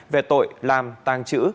về tội làm tàng trữ